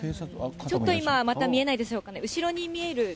ちょっと今、また見えないでしょうかね。